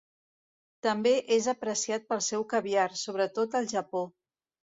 També és apreciat pel seu caviar, sobretot al Japó.